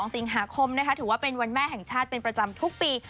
๒สิงหาคมถือว่าเป็นวันแม่แห่งชาติเป็นประจำทุกปี